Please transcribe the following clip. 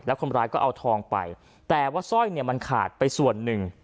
คนร้ายก็เอาทองไปแต่ว่าสร้อยเนี่ยมันขาดไปส่วนหนึ่ง